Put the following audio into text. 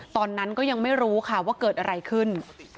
ตอนนั้นก็ยังไม่รู้ค่ะว่าเกิดอะไรขึ้น